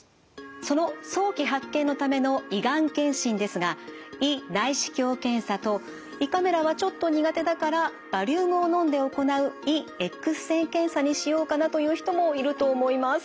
その早期発見のための胃がん検診ですが胃内視鏡検査と胃カメラはちょっと苦手だからバリウムを飲んで行う胃エックス線検査にしようかなという人もいると思います。